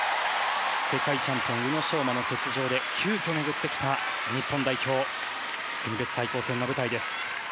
世界チャンピオン宇野昌磨の欠場で急きょ、巡ってきた日本代表国別対抗戦の舞台です。